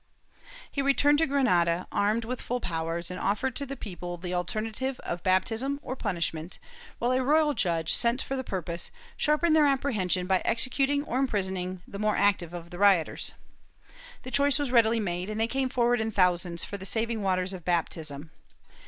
* He returned to Granada, armed with full powers, and offered to the people the alternative of baptism or punishment, while a royal judge, sent for the purpose, sharpened their apprehension by executing or imprisoning the more active of the rioters. The choice was readily made and they came forward in thousands for the saving waters of baptism.